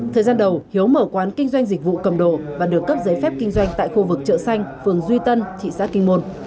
thời gian đầu hiếu mở quán kinh doanh dịch vụ cầm đồ và được cấp giấy phép kinh doanh tại khu vực chợ xanh phường duy tân thị xã kinh môn